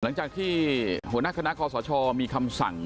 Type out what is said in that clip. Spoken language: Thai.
หลังจากที่หัวหน้าคณะคอสชมีคำสั่ง